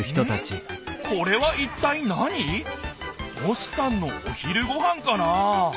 星さんのお昼ごはんかな？